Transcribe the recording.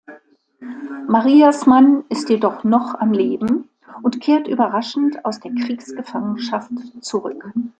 Marias Mann ist jedoch noch am Leben und kehrt überraschend aus der Kriegsgefangenschaft zurück.